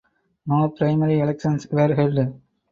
No primary elections were held.